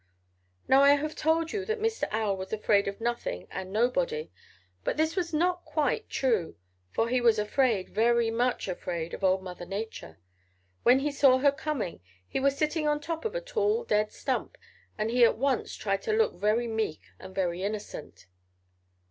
"Now I have told you that Mr. Owl was afraid of nothing and nobody, but this is not quite true, for he was afraid, very much afraid of old Mother Nature. When he saw her coming he was sitting on top of a tall dead stump and he at once tried to look very meek and very innocent.